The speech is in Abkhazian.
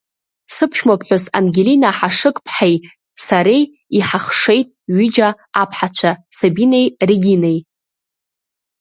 Сыԥшәма ԥҳәыс Ангелина Ҳашыг-ԥҳаи сареи иҳахшеит ҩыџьа аԥҳацәа Сабинеи Регинеи.